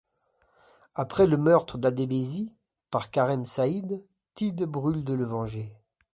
Après le meurtre d'Adebisi par Kareem Said, Tidd brûle de le venger.